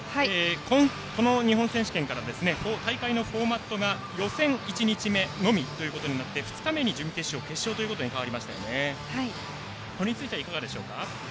この日本選手権から大会のフォーマットが予選１日目のみとなって２日目に準決勝、決勝と変わりましたがこれについてはいかがでしょうか。